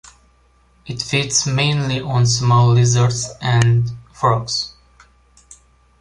It feeds mainly on small lizards and frogs.